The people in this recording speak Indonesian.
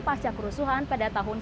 pak bunga dan bunga